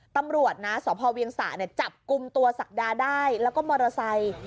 ตำรวจนะสพเวียงสะจับกลุ่มตัวศักดาได้แล้วก็มอเตอร์ไซค์